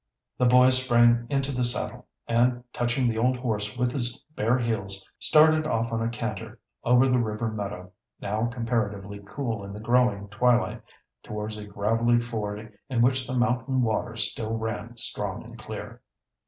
The boy sprang into the saddle, and, touching the old horse with his bare heels, started off on a canter over the river meadow, now comparatively cool in the growing twilight, towards a gravelly ford in which the mountain water still ran strong and clear.